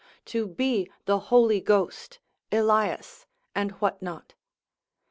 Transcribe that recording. to be the Holy Ghost, Elias, and what not?